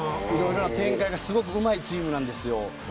展開がすごいうまいチームなんです。